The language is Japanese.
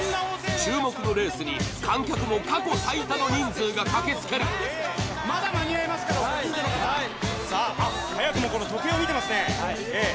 注目のレースに観客も過去最多の人数が駆けつけるまだ間に合いますからご近所の方さああっ早くもこの時計を見てますねええ